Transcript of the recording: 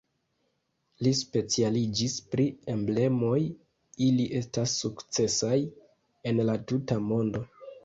Li specialiĝis pri emblemoj, ili estas sukcesaj en la tuta mondo.